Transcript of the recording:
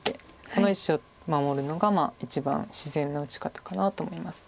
この１子を守るのが一番自然な打ち方かなと思います。